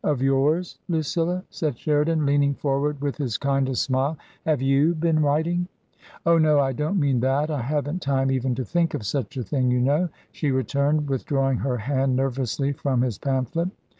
" Of yours^ Lucilla ?" cried Sheridan, leaning forward with his kindest smile; "have^t?^ been writing?" " Oh, no ! I don't mean that. I haven't time even to think of such a thing, you know," she returned, with drawing her hand nervously from his pamphlet.